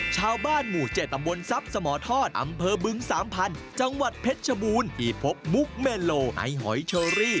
ชาวบ้านหมู่๗ตำบลทรัพย์สมทอดอำเภอบึงสามพันธุ์จังหวัดเพชรชบูรณ์ที่พบมุกเมโลไอหอยเชอรี่